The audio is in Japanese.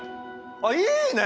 あっいいね！